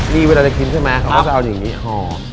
มีเวลาจะกินใช่ไหมเขาก็จะเอาอย่างนี้ห่อ